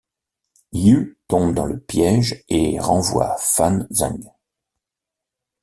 Yu tombe dans le piège et renvoie Fan Zeng.